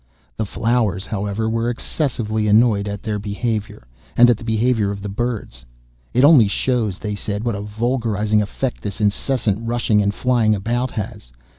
The Flowers, however, were excessively annoyed at their behaviour, and at the behaviour of the birds. 'It only shows,' they said, 'what a vulgarising effect this incessant rushing and flying about has.